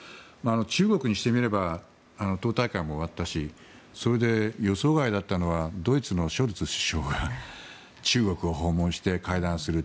中国にしてみれば党大会も終わったしそれで予想外だったのはドイツのショルツ首相が中国を訪問して会談する。